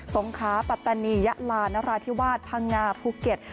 สมคะปรัตนียาลาธิวาสพังงาธุ์ภูเก็ต